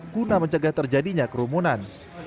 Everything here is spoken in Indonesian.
guna mencegah terjadi kematian